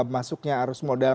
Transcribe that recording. masuknya arus modal